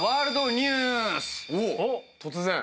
おっ突然。